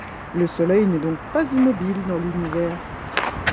Le Soleil n'est donc pas immobile dans l'univers.